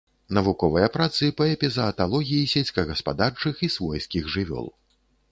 Навуковыя працы па эпізааталогіі сельскагаспадарчых і свойскіх жывёл.